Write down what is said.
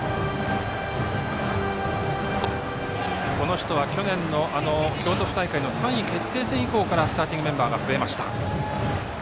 松浦は去年の京都府大会の３位決定戦以降からスターティングメンバーが増えました。